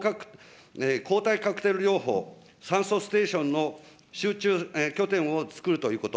抗体カクテル療法、酸素ステーションの集中拠点を作るということ。